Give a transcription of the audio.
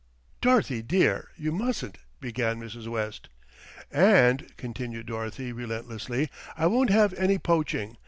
"Dorothy dear, you mustn't," began Mrs. West. "And," continued Dorothy relentlessly, "I won't have any poaching.